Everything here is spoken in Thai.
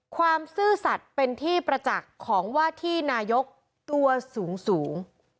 ซื่อสัตว์เป็นที่ประจักษ์ของว่าที่นายกตัวสูง